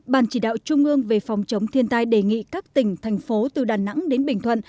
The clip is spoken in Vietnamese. ban chỉ đạo trung ương về phòng chống thiên tai đề nghị các tỉnh thành phố từ đà nẵng đến bình thuận